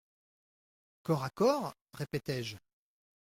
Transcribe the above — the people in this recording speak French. «Corps à corps ? répétai-je.